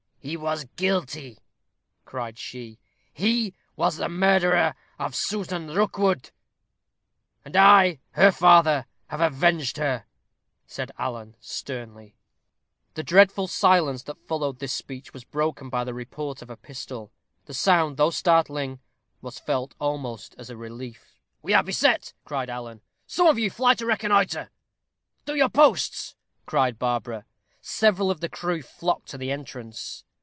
"He was guilty," cried she. "He was the murderer of Susan Rookwood." "And I, her father, have avenged her," said Alan, sternly. The dreadful silence that followed this speech was broken by the report of a pistol. The sound, though startling, was felt almost as a relief. "We are beset," cried Alan. "Some of you fly to reconnoitre." "To your posts," cried Barbara. Several of the crew flocked to the entrance.